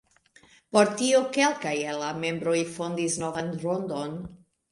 Por tio kelkaj el la membroj fondis novan rondon.